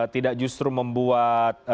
tidak justru membuat